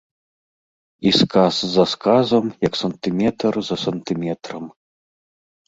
І сказ за сказам, як сантыметр за сантыметрам.